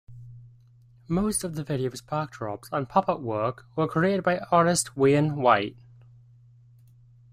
Most of the video's backdrops and puppetwork were created by artist Wayne White.